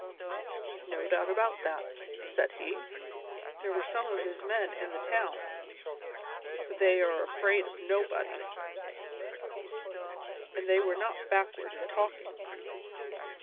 "No doubt about that," said he; "there were some of his men in the town for they are afraid of nobody and they were not backward in talking."